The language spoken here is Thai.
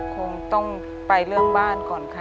คงต้องไปเรื่องบ้านก่อนค่ะ